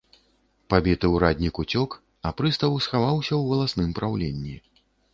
Пабіты ураднік уцёк, а прыстаў схаваўся ў валасным праўленні.